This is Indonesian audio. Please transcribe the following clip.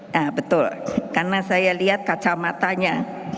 nah betul karena saya lihat kacamatanya